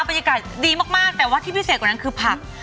บรรยากาศดีมากแต่ว่าที่พิเศษกว่านั้นคือผัก